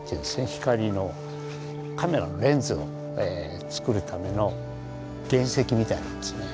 光のカメラのレンズを作るための原石みたいなもんですね。